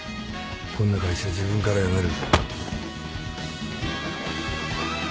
こんな会社自分から辞める。